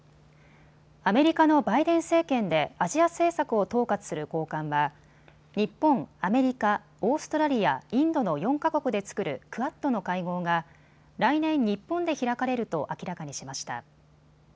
アメリカのバイデン政権でアジア政策を統括する高官は日本、アメリカ、オーストラリア、インドの４か国で作るクアッドの会合が来年、日本で開かれると明らかにしました。